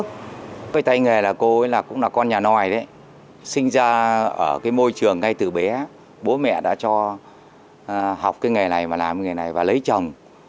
bây giờ ở cái môi trường ngay từ bé bố mẹ đã cho học cái nghề này và làm cái nghề này và lấy chồng